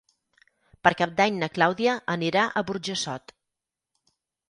Per Cap d'Any na Clàudia anirà a Burjassot.